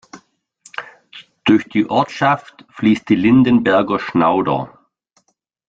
Durch die Ortschaft fließt die Lindenberger Schnauder.